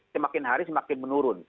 semakin hari semakin menurun